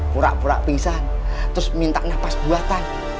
purak purak pingsan terus minta napas buatan